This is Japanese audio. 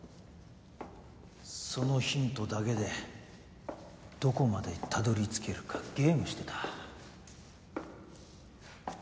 そのヒントだけでどこまでたどりつけるかゲームしてた。